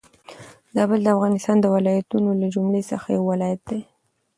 زابل د افغانستان د ولايتونو له جملي څخه يو ولايت دي.